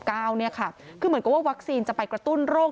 คือเหมือนกับว่าวัคซีนจะไปกระตุ้นโรค